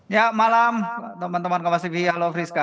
ya malam teman teman kemasin halo friska